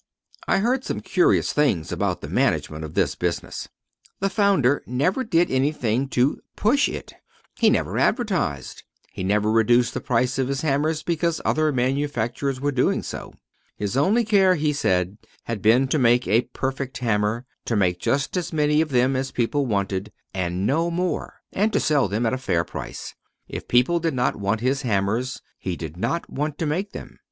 I heard some curious things about the management of this business. The founder never did anything to "push" it. He never advertised. He never reduced the price of his hammers because other manufacturers were doing so. His only care, he said, had been to make a perfect hammer, to make just as many of them as people wanted, and no more, and to sell them at a fair price. If people did not want his hammers, he did not want to make them.